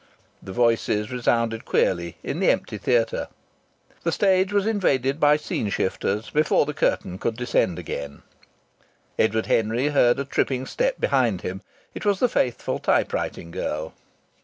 The voices resounded queerly in the empty theatre. The stage was invaded by scene shifters before the curtain could descend again. Edward Henry heard a tripping step behind him. It was the faithful typewriting girl.